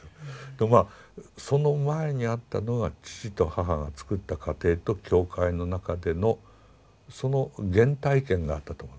でもまあその前にあったのが父と母がつくった家庭と教会の中でのその原体験があったと思うんですよ。